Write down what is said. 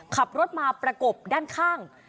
ขับรถมาประกบด้านข้าง